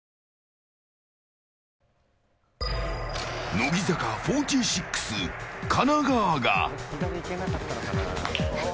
乃木坂４６、金川が。